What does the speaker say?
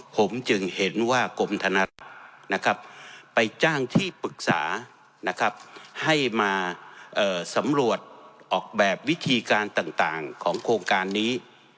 ผมจึงเห็นว่ากรมธนรัฐนะครับไปจ้างที่ปรึกษานะครับให้มาสำรวจออกแบบวิธีการต่างของโครงการนี้